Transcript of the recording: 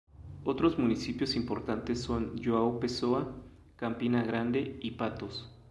Otros municipios importantes son João Pessoa, Campina Grande y Patos.